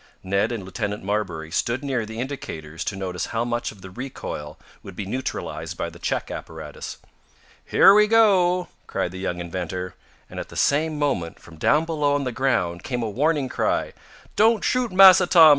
Ned and Lieutenant Marbury stood near the indicators to notice how much of the recoil would be neutralized by the check apparatus. "Here we go!" cried the young inventor, and, at the same moment, from down below on the ground, came a warning cry: "Don't shoot, Massa Tom.